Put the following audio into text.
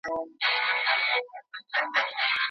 ایا د مغولو زوال حاکمانو ته ګټه ورسوله؟